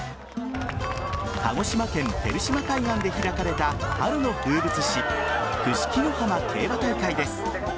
鹿児島県照島海岸で開かれた春の風物詩串木野浜競馬大会です。